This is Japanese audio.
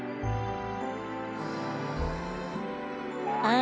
あ。